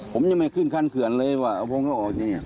ผมยังไม่ขึ้นคันเขื่อนเลยว่าเอาพงเขาออกเนี่ย